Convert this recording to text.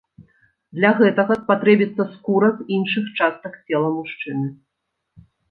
Для гэтага спатрэбіцца скура з іншых частак цела мужчыны.